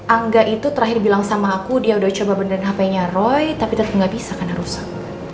angga itu terakhir bilang sama aku dia udah coba benden hpnya roy tapi tetep gak bisa karena rusak